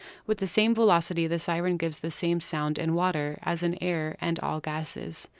With the same velocity the siren gives the same sound in water as in air and all gases.